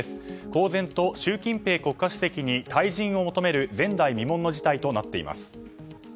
公然と習近平国家主席に退陣を求める前代未聞の事態となっています。